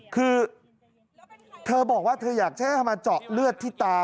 คือเธอบอกว่าเธออยากใช้ให้มาเจาะเลือดที่ตา